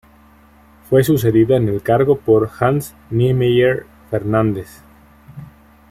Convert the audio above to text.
Fue sucedida en el cargo por Hans Niemeyer Fernández.